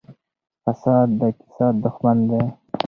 فساد د اقتصاد دښمن دی.